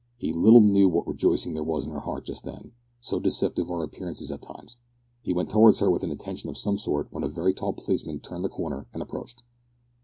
He little knew what rejoicing there was in her heart just then so deceptive are appearances at times! He went towards her with an intention of some sort, when a very tall policeman turned the corner, and approached.